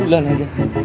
gapapa lu duluan aja